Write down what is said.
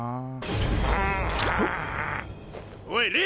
おい！